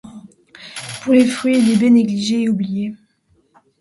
Pour les fruits et les baies négligés et oubliés.